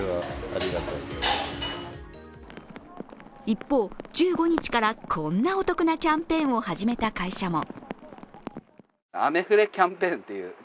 一方、１５日からこんなお得なキャンペーンを始めた会社も。